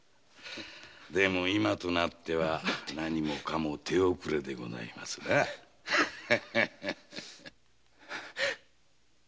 でも今となっては何もかも手遅れでございますがね。